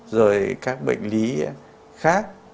rồi các bệnh lý khác